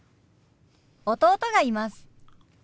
弟がいます。